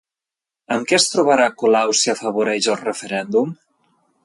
Amb què es trobarà Colau si afavoreix el referèndum?